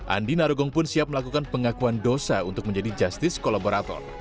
andi narogong pun siap melakukan pengakuan dosa untuk menjadi justice kolaborator